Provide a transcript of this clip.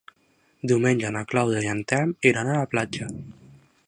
Diumenge na Clàudia i en Telm iran a la platja.